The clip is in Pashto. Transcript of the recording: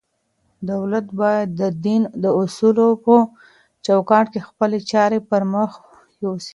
دولت بايد د دين د اصولو په چوکاټ کي خپلي چارې پر مخ يوسي.